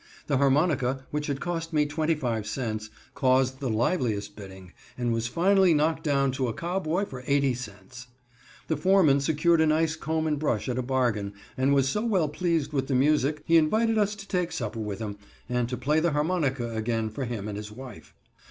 The harmonica, which had cost me twenty five cents, caused the liveliest bidding, and was finally knocked down to a cowboy for eighty cents. The foreman secured a nice comb and brush at a bargain, and was so well pleased with the music he invited us to take supper with him, and to play the harmonica again for him and his wife.